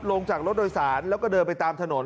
ลงจากรถโดยสารแล้วก็เดินไปตามถนน